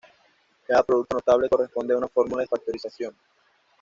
Cada producto notable corresponde a una fórmula de factorización.